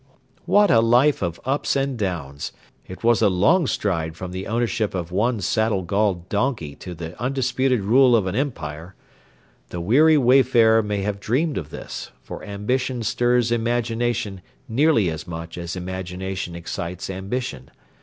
"' What a life of ups and downs! It was a long stride from the ownership of one saddle galled donkey to the undisputed rule of an empire. The weary wayfarer may have dreamed of this, for ambition stirs imagination nearly as much as imagination excites ambition.